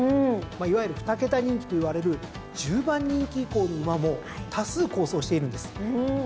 いわゆる二桁人気といわれる１０番人気以降の馬も多数好走しているんです。